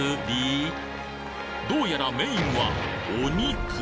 どうやらメインはお肉